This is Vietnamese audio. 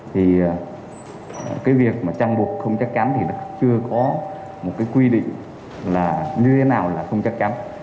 thì cái việc mà trang buộc không chắc chắn thì chưa có một cái quy định là như thế nào là không chắc chắn